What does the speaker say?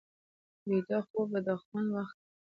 ویده خوب د خوند وخت دی